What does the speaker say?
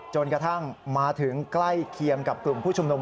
จนกระทั่งมาถึงใกล้เคียงกับกลุ่มผู้ชุมนุม